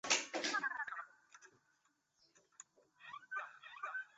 旧大安溪桥自日治时期即于台湾南北纵贯交通扮演重要角色。